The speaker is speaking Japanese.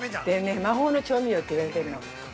魔法の調味料っていわれてるの。